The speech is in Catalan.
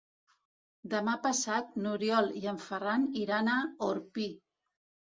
Demà passat n'Oriol i en Ferran iran a Orpí.